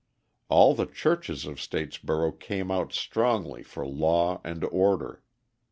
All the churches of Statesboro came out strongly for law and order.